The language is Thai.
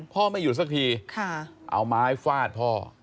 ไม่หยุดสักทีเอาไม้ฟาดพ่อ